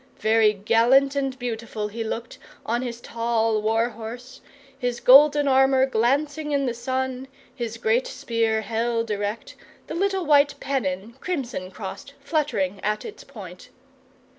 Very gallant and beautiful he looked, on his tall war horse, his golden armour glancing in the sun, his great spear held erect, the little white pennon, crimson crossed, fluttering at its point.